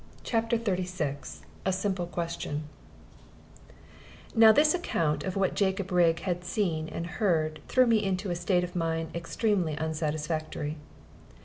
CHAPTER XXXVI A SIMPLE QUESTION Now this account of what Jacob Rigg had seen and heard threw me into a state of mind extremely unsatisfactory.